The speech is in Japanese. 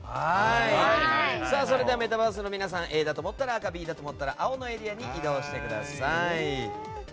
それではメタバースの皆さんＡだと思ったら赤Ｂだと思った青のエリアに移動してください。